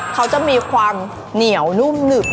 เขาจะมีความเหนียวนุ่มหนึบ